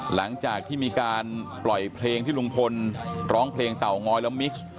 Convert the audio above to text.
หลังจากที่มีการปล่อยเพลงที่ลุงพลร้องเพลงเต่าง้อยแล้วมิกซ์